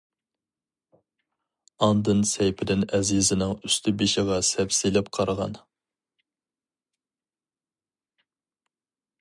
ئاندىن سەيپىدىن ئەزىزىنىڭ ئۈستى بېشىغا سەپ سېلىپ قارىغان.